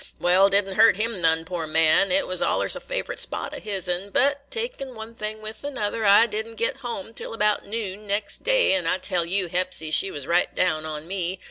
Wal, did n't hurt him none, poor man; 't was allers a favorite spot o' his'n. But, takin' one thing with another, I did n't get home till about noon next day, an', I tell you, Hepsy she was right down on me.